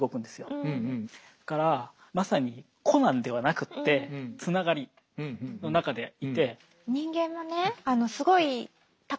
だからまさに個なんではなくてつながりの中でいて。